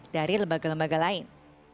dari lembaga lembaga lain